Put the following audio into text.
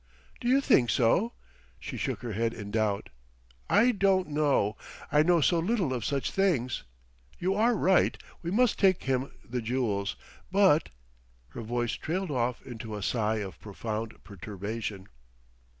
"Do you think so?" She shook her head in doubt. "I don't know; I know so little of such things.... You are right; we must take him the jewels, but..." Her voice trailed off into a sigh of profound perturbation.